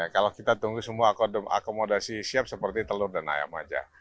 kalau kita tunggu semua akomodasi siap seperti telur dan ayam aja